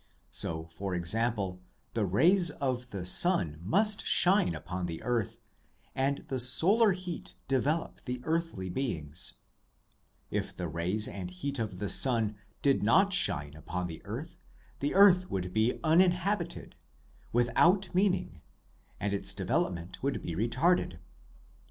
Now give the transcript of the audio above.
So, for example, the rays of the sun must shine upon the earth, and the solar heat develop the earthly beings ; if the rays and heat of the sun did not shine upon the earth, the earth would be uninhabited, without meaning, and its de velopment would be retarded.